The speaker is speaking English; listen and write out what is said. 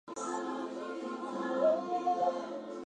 They are more common in less prestigious tournaments.